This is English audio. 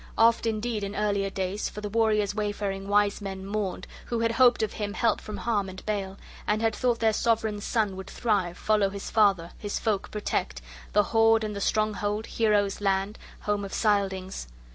Oft indeed, in earlier days, for the warrior's wayfaring wise men mourned, who had hoped of him help from harm and bale, and had thought their sovran's son would thrive, follow his father, his folk protect, the hoard and the stronghold, heroes' land, home of Scyldings.